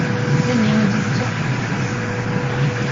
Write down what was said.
Wir nehmen dies zur Kenntnis.